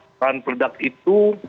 bahan produk itu